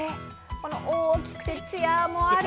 この大きくて艶もある。